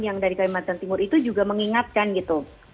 yang dari kalimantan timur itu juga mengingatkan gitu